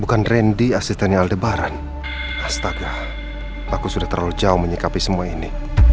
astaga aku sudah terlalu jauh menyikapi semua ini